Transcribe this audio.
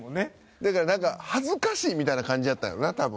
だからなんか恥ずかしいみたいな感じやったんやろうな多分。